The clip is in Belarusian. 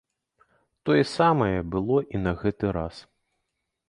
Тое самае было і на гэты раз.